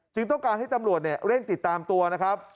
ต้องการให้ตำรวจเร่งติดตามตัวนะครับ